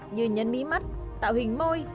như nhân mí mắt tạo hình môi